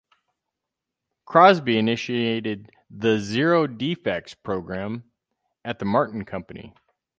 Crosby initiated the Zero Defects program at the Martin Company.